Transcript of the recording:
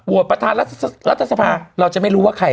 ประธานรัฐสภาเราจะไม่รู้ว่าใคร